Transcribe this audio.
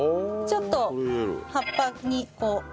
ちょっと葉っぱに。